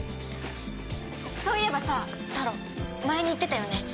そういえばさタロウ前に言ってたよね